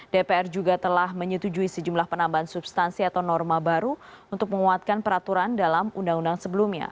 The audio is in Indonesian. dpr juga telah menyetujui sejumlah penambahan substansi atau norma baru untuk menguatkan peraturan dalam undang undang sebelumnya